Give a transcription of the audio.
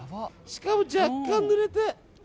しかも若干ぬれて。